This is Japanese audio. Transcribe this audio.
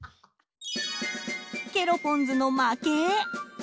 ケロポンズの負け。